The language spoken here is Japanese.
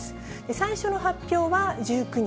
最初の発表は１９日